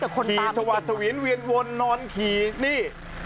ขี่ชวาดทวีนเวียนวนนอนขี่นี่